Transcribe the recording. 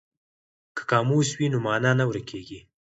که قاموس وي نو مانا نه ورکیږي.